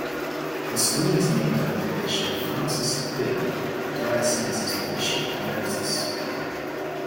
The school is named after Bishop Francis Quinn, the diocese's bishop emeritus.